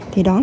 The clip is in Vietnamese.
thì đúng rồi